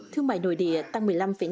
thương mại nội địa tăng một mươi năm năm